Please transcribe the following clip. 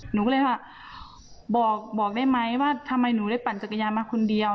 หนูก็เลยว่าบอกได้ไหมว่าทำไมหนูได้ปั่นจักรยานมาคนเดียว